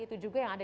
itu juga yang ada